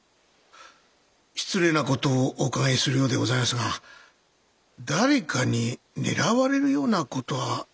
失礼な事をお伺いするようでございますが誰かに狙われるような事は？